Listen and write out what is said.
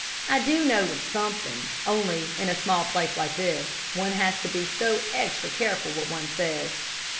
I do know something, only in a small place like this one has to be so extra careful what one says.